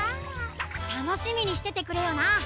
たのしみにしててくれよな。